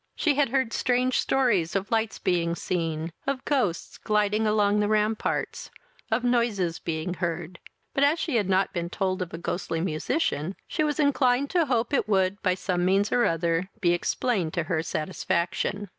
She had heard strange stories of lights being seen, of ghosts gliding along the ramparts, of noises being heard; but, as she had not been told of a ghostly musician, she was inclined to hope it would, by some means or other, be explained to her satisfaction.